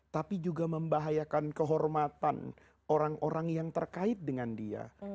tapi juga membahayakan kehormatan orang orang yang terkait dengan dia